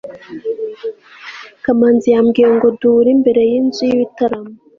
kamanzi yambwiye ngo duhure imbere y'inzu y'ibitaramo